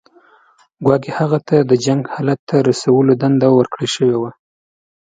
ګواکې هغه ته د جنګ حالت ته رسولو دنده ورکړل شوې وه.